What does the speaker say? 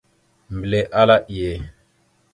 Mbelle ahala: « Iye ».